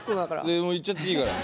いやもういっちゃっていいから。